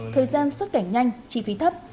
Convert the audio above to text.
thời gian xuất cảnh nhanh chi phí thấp